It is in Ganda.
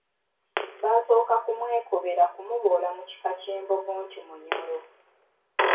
Baasooka kumwekobera kumuboola mu kika ky'Embogo nti Munyoro.